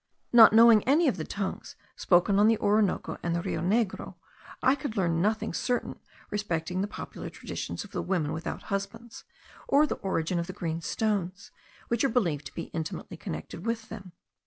Not knowing any of the tongues spoken on the Orinoco and the Rio Negro, I could learn nothing certain respecting the popular traditions of the women without husbands, or the origin of the green stones, which are believed to be intimately connected with them.